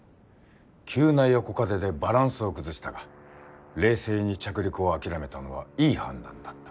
急な横風でバランスを崩したが冷静に着陸を諦めたのはいい判断だった。